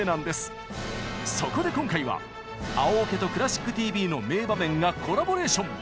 そこで今回は「青オケ」と「クラシックＴＶ」の名場面がコラボレーション！